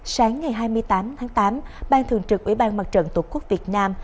sáng ngày hai mươi tám tháng tám ban thường trực ủy ban mặt trận tổ quốc việt nam